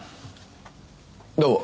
どうも。